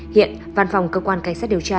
hiện văn phòng cơ quan cảnh sát điều tra